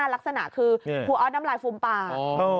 ลักษณะคือครูออสน้ำลายฟูมปาก